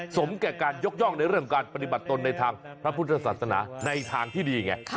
สมแก่การยกย่องในเรื่องการปฏิบัติตนในทางพระพุทธศาสนาในทางที่ดีไง